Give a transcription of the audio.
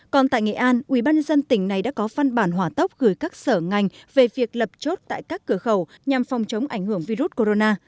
còn tại nghệ an ubnd tỉnh này đã có phân bản hỏa tốc gửi các sở ngành về việc lập chốt tại các cửa khẩu nhằm phòng chống ảnh hưởng virus corona